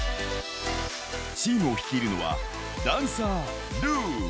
チームを率いるのは、ダンサー、ルー。